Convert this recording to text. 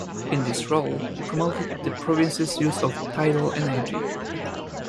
In this role, he promoted the province's use of tidal energy.